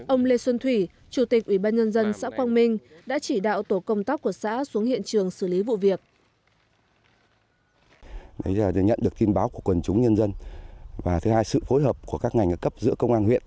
ông lê xuân thủy chủ tịch ủy ban nhân dân xã quang minh đã chỉ đạo tổ công tác của xã xuống hiện trường xử lý vụ việc